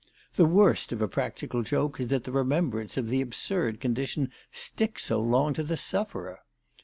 The worst of a practical joke is that the remembrance of the absurd condition sticks so long to the sufferer